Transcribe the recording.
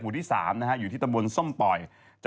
หมู่ที่๓อยู่ที่ตำรวจส้มป่อย